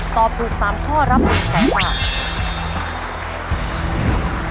ตอบถึง๓ข้อรับ๖๐๐๐๐๐๐บาท